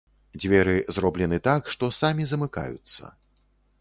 Дзверы зроблены так, што самі замыкаюцца.